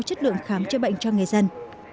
chất lượng khám chữa bệnh cho người dân